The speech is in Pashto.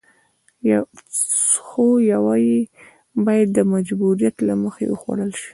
خو يوه يې بايد د مجبوريت له مخې وخوړل شي.